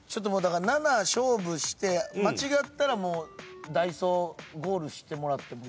７勝負して間違ったらダイソーゴールしてもらっても。